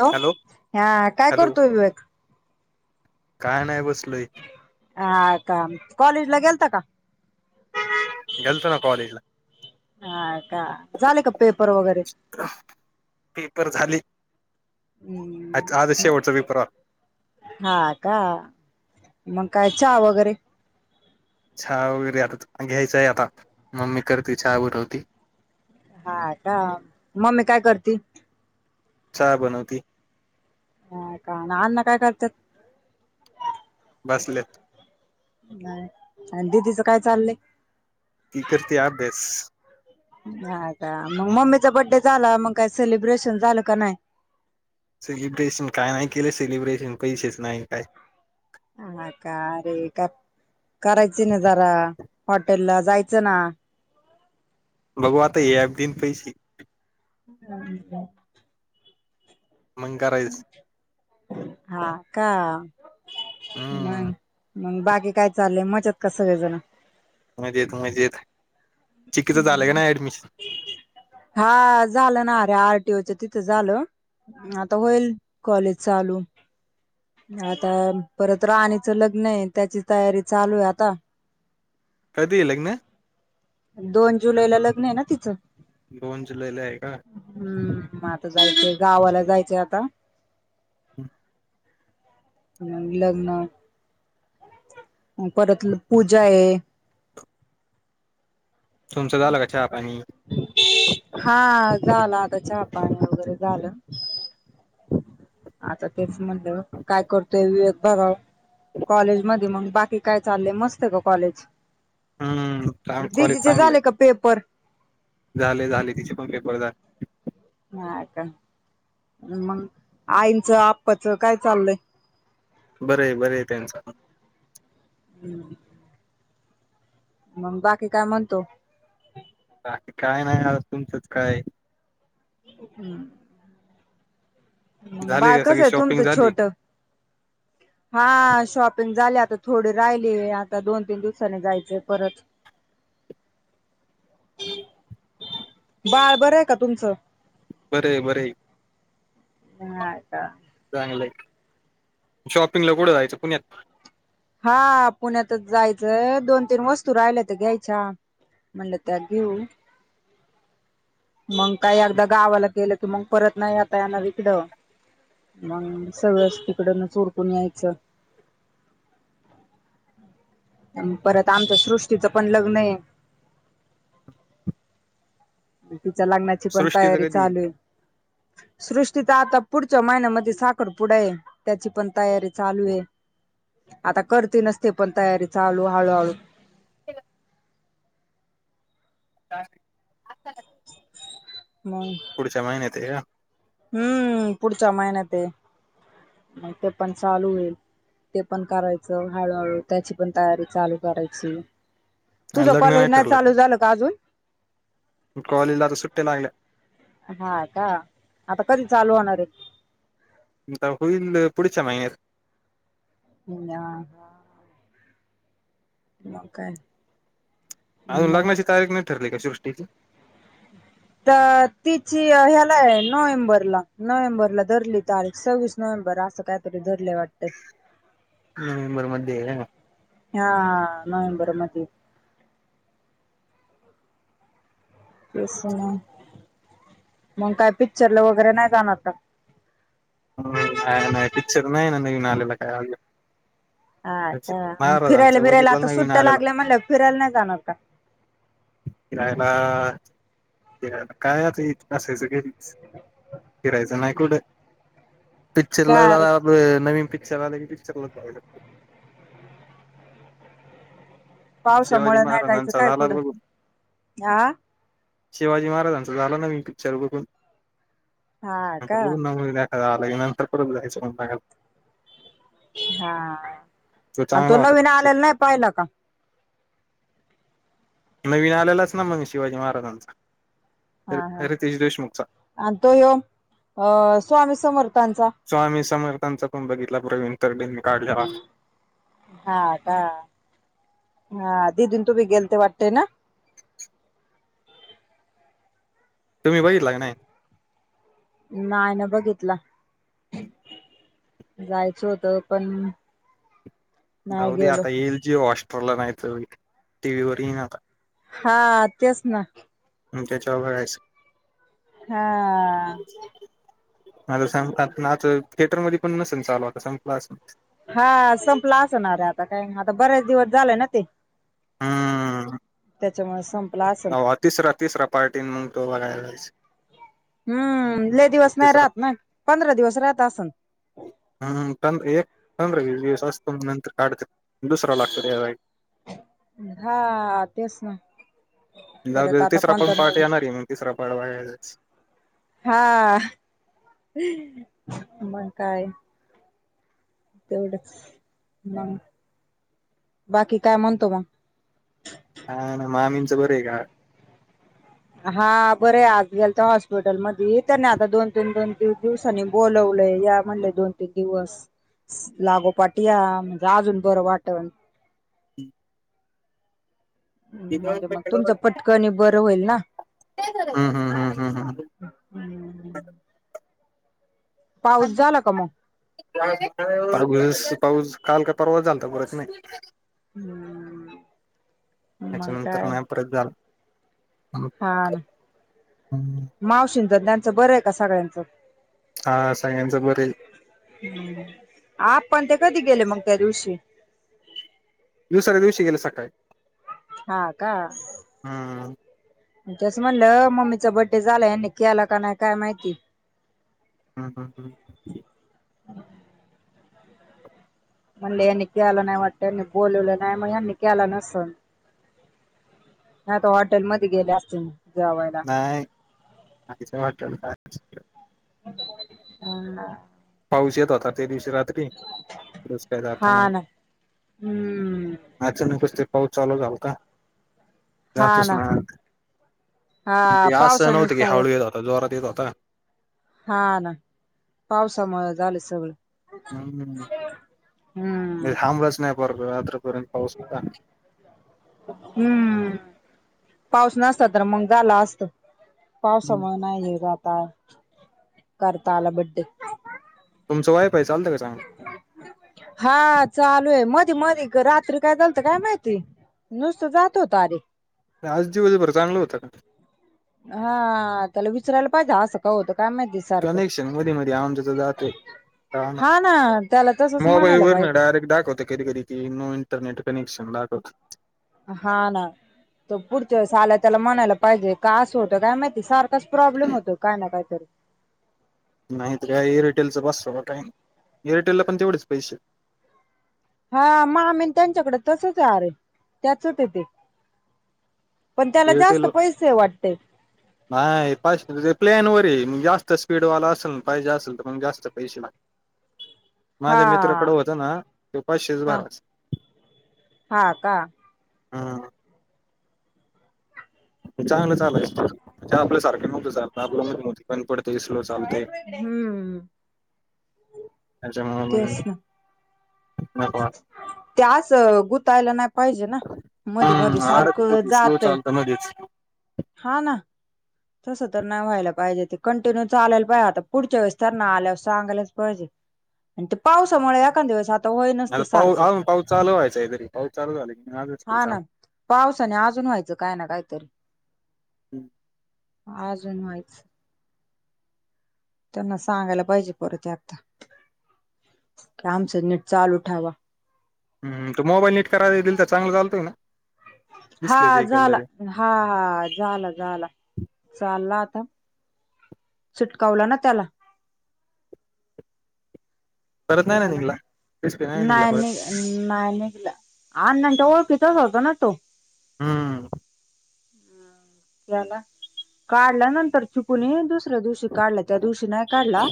Hello हा काय hello करतोय विवेक? काय नाही बसलोय. हा का, कॉलेजला गेलता का? गेलतो ना कॉलेजला हा का, झाले का पेपर वगैरे? पेपर झाली हम्म आजच शेवटचा पेपरवर हा का मग काय हा वगैरे? चहा वगैरे आता घ्यायचंय आता मम्मी करते चहा बनवती. हा का मम्मी काय करती? चहा बनवती. हा का ना अण्णा काय करतात? बसल्यात आणि दिदीच काय चाललंय? ती करती अभ्यास. हा का मग मम्मीचा बड्डे झाला मग काही सेलिब्रेशन झालं का नाही? सेलिब्रेशन काय नाही केले सेलिब्रेशन पैसेच नाही काय? हा का रे का? करायचं ना जरा हॉटेल ला जायचं ना. बघू आता [unintelligible] दिन पैसे. [inaudible] म करायचं. हा का? हम्म मग बाकी काय चाललंय मजेत का सगळेजण? मजेत, मजेत चिककीचं झालंय का नाही ऍडमिशन? हा झालं ना रे आरटीओच्या तिथून झालं‌. आता होईल कॉलेज चालू. आता परत राणीच लग्न आहे, त्याची तयारी चालू आहे आता. कधी आहे लग्न? दोन जुलै ला लग्न आहे ना तिचं. दोन जुलै ला आहे का? हम्म म आता जायचंय गावाला जायचंय आता. हम. म लग्न. परत पूजा आहे ‌. तुमचं झालं का चहा पाणी? झालं आता चहा पाणी वगैरे झालं. आता तेच म्हणलं, काय करतोय विवेक बघावं? कॉलेज मध्ये मग बाकी काय चाललेय मस्त आहे का कॉलेज? हम्म कॉलेज दिदीचे चांगलंय झाले का पेपर? झाले, झाले तिचे पण पेपर झाले. हा का मग आईंचं आप्पाच काय चाललंय? बर आहे बर आहे त्यांचा पण. [inaudible] मग बाकी काय म्हणतो? बाकी काय नाही आ तुमचंच काय? झाली बाळ का कसं सगळी आहे शॉपिंग तुमचं झाली छोट? हा शॉपिंग झाली आता, थोडी राहिली आता दोन तीन दिवसानी जायचे परत. [inaudible] बाळ बरं आहे का तुमचं? बर हाय, बर हाय. हा का. चांगलंय शॉपिंगला कुठ जायचं पुण्यात? हा पुण्यातच जायचं दोन, तीन वस्तू राहिल्या त्या घ्यायच्या. म्हणलं त्या देऊ मंग काही एकदा गावाला गेले तर मग परत नाही आता येणार इकडं. मग सगळंच तिकडनच उरकून यायचं. आन परत आमच्या सृष्टीचं पण लग्न आहे. तिच्या लग्नाची पण तयारी सृष्टीचं कधी चालू आहे. सृष्टीचा आता पुढच्या महिन्यामध्ये साखरपुडा आहे त्याची पण तयारी चालूये. आता करते नसते पण तयारी चालू हाळूहाळू. का मग पुढच्या महिन्यात आहे ना? हम्म पुढच्या महिन्यातेय. मग ते पण चालू होईल. ते पण करायचं हळूहळू त्याची पण तयारी चालू करायची. का तुझ लग्न कॉलेज नाही ठरलंय चालू झालं का अजून? कॉलेजला आता सुट्ट्या लागल्या हा, का? आता कधी चालू होणार आहे? आता होईल पुढच्या महिन्यात. हो ना हा. मग काय. अजून मग लग्नाची तारीख नाही ठरली का सृष्टीची? त तिची ह्यालाये नोव्हेंबरला नोव्हेंबरला धरली तारीख सव्वीस नोव्हेंबर असं काय तरी धरले वाटत. नोव्हेंबर मध्ये आहे हा हा नोव्हेंबरमध्ये. पैसे नाही. मग काय पिक्चरला वगैरे नाही जाणार का? नाही नाही पिक्चर नाही ना नवीन आलेला काय अजून. अच्छा. मग फिरायला महाराजांचं बिरायला बघितलं आता नवीन सुट्ट्या आलेला लागल्या म्हणल्यावर फिरायला नाही जाणार का? फिरायला फिरायला काय आता इथ अस काय फिरायचं नाही कुठं. पिक्चर ला का रे जाऊया आपण नवीन पिक्चर आला की पिक्चरलाचं जाऊया आपण. शिवाजी पावसामुळे नाही जायचं महाराजांचा काय झाला कुठ बघून आ शिवाजी महाराजांचा झाला नवीन पिक्चर बघून हा आता का बघू ना [unintelligible] आता लग्नानंतर परत जायचं म्हणता का हा आणि तो चांगला होता नवीन पिक्चर आलेला नाही पाहिला का? नवीन आलेलाच ना मग शिवाजी महाराजांचा. हा हा रीत रितेश देशमुखचा. आणि तो ह्यो अ स्वामी समर्थांचा. स्वामी समर्थांचा पण बघितला प्रवीण तरडेनी काढलेला. हा का हा तिथून तुम्ही गेलते वाटते ना. तुम्ही बघितला का नाही? नाही ना बघितला. जायचं होतं पण नाही जाऊ दे गेलो. आता येईल जीवो हॉस्टारला नाहीतर टीव्ही वर येईन आता. हा तेच ना. मग त्याच्यावर बघायच. हा. [unintelligible] कुणाचं थिएटर मध्ये पण नसेल चालू आता संपल असल. हा संपला असणार आहे आता काय आता बऱ्याच दिवस झालय ना ते हा त्याच्यामुळ संपला असल तिसरा तिसरा पार्टीन मग तो बघायला जायचं हम्म लई दिवस नाही तिसरा राहत ना पंधरा दिवस राहत असल हम्म हम्म असत [inaudible] नंतर काढते दुसरा लागत हा तेच ना जाऊ परत दे आता तिसरा कोण पण तर पार्ट नाही. येणार आहे मग तिसरा पाडवा यायलाच हा मग काय तेवढच बाकी काय म्हणतो मग काय नाही मामींचं बरं आहे का? हा बरय आज गेलता हॉस्पिटल मध्ये त्यांनी आता दोन तीन दोन तीन दिवस दिवसांनी बोलवलय या म्हणले दोन तीन दिवस लागोपाट या म्हणल अजून बरं वाटन [inaudible] हम्म म्हणजे मग तुमचं पटकनी बरं होईल ना हम्म हम्म हम्म हम्म हम्म पाऊस झाला का मग पा पाऊस काल का परवा झालता परत नाही हम्म मग त्याच्यानंतर काय नाही परत झाला हम्म. हा ना मावशीच त्यांच बरं आहे का सगळ्यांचं हा सगळ्यांचा बरे हाय ह आप्पा आणि ते कधी गेले मग त्या दिवशी दुसऱ्या दिवशी गेले सकाळी हा का हम्म हम्म तेच म्हणलं मम्मीचा बड्डे झाला [inaudible] केलं का नाही काय माहिती हम हम हम म्हणले यांनी केला नाही वाटत यांनी बोलवलं नाही मग यांनी केला नसल. ह आता हॉटेलमध्येध्ये गेले असतील म जवायला [unintelligible] [inaudible] पाऊस येत होता त्या दिवशी रात्री [inaudible] हा ना हम्म अचानकच ते पाऊस चालू झालता हा जातच ना नाय हा ते असं पावसाने नव्हतं की सगळं हळू येत होता जोरात येत होता. हा ना पावसामुळे झाले सगळं [inaudible] नाही हम्म [inaudible] रात्रपर्यंत पाऊस होता हम्म पाऊस नसत तर मग झाला असत पावसामुळे नाही हे आता करता आला बड्डे तुमचं वायफाय चालते का चागलं हा चालू आहे, मधी मधी रात्री काय झालत काय माहिती नुसतं जात होता अरे आज दिवसभर चांगलं होत का? हा त्याला विचरायला पाहिजे असं का होतं काय माहिती सारखं कनेक्शन मध्ये मध्ये आमच्या तर जातोय हा ना त्याला तसच मोबाईल म्हणायला वरन पाहिजे डायरेक्ट दाखवतय. कधी कधी ती नो इंटरनेट कनेक्शन दाखवतय. हा ना तो पुढच्या वेळेस आला त्याला म्हणायला पाहिजे, का असं होत काय माहिती सारखं [unintelligible] प्रॉब्लेम होतो काय ना कायतरी. नायतर काय एअरटेलचं बसवा काय, एअरटेलला पण तेवढेच पैसे. हा मामीन त्यांच्याकड तसच हाय आरे त्याचच हाय ते. पण त्याला जास्त पैसेय वाटत. नाय [unintelligible] प्लॅनवर हेय म जास्त स्पीडवाला असल- पाहिजे असल तर मग जास्त पैसे लाग [inaudible] माझ्या मित्राकड होत ना तो पाचशेच हा भराच. हा का? हा. चांगलं चालायच तर, आपल्या सारख नव्हत चालत आपल मधीमधी बंद पडतय स्लो चालतय हम्म तेच त्याच्यामुळ [inaudible] त्यास गुतायला नाय पाहिजे ना. हा मध्ये मध्ये आडकत सारखं ते स्लो जातय चालत मधीच. हा ना. तसं तर नाय व्हायला पायजे ते कंटिन्यू चालाय पायजे आता पुढच्या वेळेस तर नाही आल्यावर सांगायलाच पायजे. आन ते पावसामुळे एकान दिवसात [unintelligible] [unintelligible] पाऊस चालू व्हायचा तरी पाऊस चालू हा झाला ना [unintelligible] पावसाने अजून व्हायचं कायना कायतरी. हम्म. आजून व्हायच. त्यांना सांगायला पाहिजे परत एकदा, की आमचं नीट चालू ठेवा. हम्म, तो मोबाईल नीट कराय दिलता चांगलं चालतोय ना? हा डिस्प्लेच एकेल झाला तरी हा- हा झाला- झाला चालला आता. चिटकवला ना त्याला. परत नाही ना झाला निघला डिस्प्ले नाही निघला नाय परत [unintelligible] नाय निगल अण्णांच्या ओळखीचाच होतो ना तो. हम्म. याला, काढला नंतर चुकुणी दुस दुसऱ्या दिवशी काडला, त्या दिवशी नाही काडला,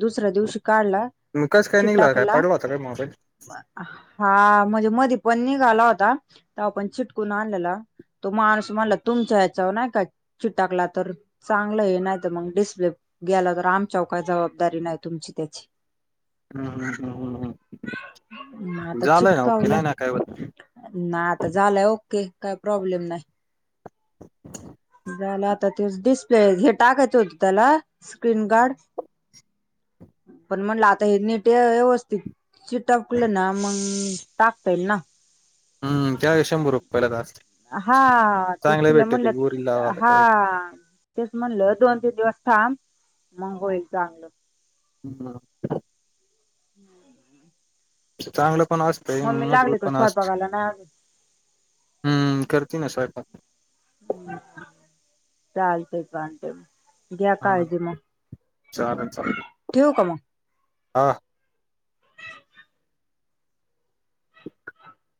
दुसऱ्या दिवशी काडला. म कस काय निघला, काय पडला होता काय मोबाईल? हा म्हजे मधीपण निघाला होता, तवापण चिटकून आणलेला. तो माणूस म्हणला, तुमच्या ह्याच्यावर नाय का चिटाकला तर, चांगलंय नायतर म डिस्प्ले गेला तर आमच्याव काय जबाबदारी नाय तुमची त्याची. हम्म हम्म हम्म हम्म मग हम्म झाल ना ओके नाय ना काय होत? नाय आता झालय ओके काय प्रॉब्लेम नाय. [unintelligible] झालं आता तोच डिस्प्ले हे टाकत होत त्याला स्क्रीनगार्ड. पण म्हणलं आता हे नीट यवस्थित चिटकलं ना मग टाकता येईल ना? हम्म ते [unintelligible] हा तेच चांगले तिला भेटते म्हणलं ते गोरीला वाला हा. काय तेच म्हणलं दोन तीन दिवस थांब मग होईल चांगलं. हम्. चांगलं पण असं. मम्मी, लागली का स्वयपाकाला? नाही अजून? हम्म, करती ना स्वयंपाक? चालतंय फोन ठेवते. घ्या हा काळजी मग, ठेवू का मग? हां. [inaudible]